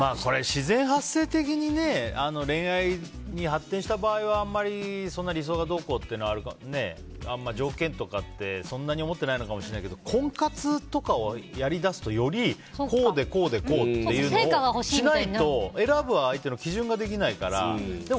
自然発生的に恋愛に発展した場合はあまりそんな理想がどうこうとかあんまり条件とかってそんなに思ってないのかもしれないけど婚活とかをやり出すとより、こうでこうってしないと選ぶ相手の基準ができないからね。